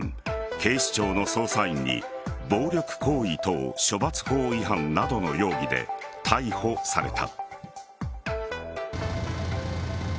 警視庁の捜査員に暴力行為等処罰法違反などの容疑で逮捕された。